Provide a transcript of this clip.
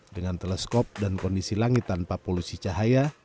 dengan teleskop dan kondisi langit tanpa polusi cahaya